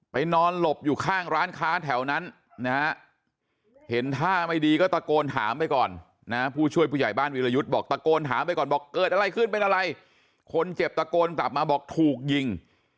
นอนหลบอยู่ข้างร้านค้าแถวนั้นนะฮะเห็นท่าไม่ดีก็ตะโกนถามไปก่อนนะผู้ช่วยผู้ใหญ่บ้านวิรยุทธ์บอกตะโกนถามไปก่อนบอกเกิดอะไรขึ้นเป็นอะไรคนเจ็บตะโกนกลับมาบอกถูกยิง